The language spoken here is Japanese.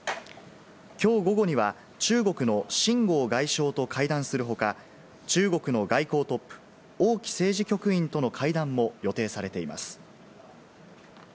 きょう午後には中国のシン・ゴウ外相と会談する他、中国の外交トップ、オウ・キ政治局員との会談も予定されています。